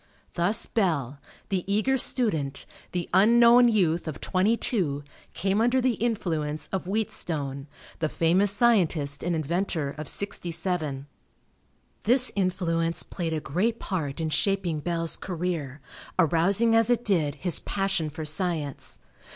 Thus Bell, the eager student, the unknown youth of twenty two, came under the influence of Wheatstone, the famous scientist and inventor of sixty seven. This influence played a great part in shaping Bell's career, arousing as it did his passion for science.